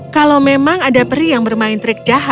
kalau memang ada peri yang bermain trik jahat